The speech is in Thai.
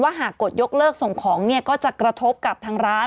หากกดยกเลิกส่งของเนี่ยก็จะกระทบกับทางร้าน